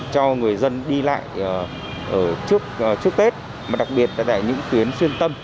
cho người dân đi lại trước tết đặc biệt là những tuyến xuyên tâm